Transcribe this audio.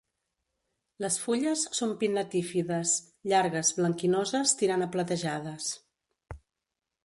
Les fulles són pinnatífides, llargues, blanquinoses tirant a platejades.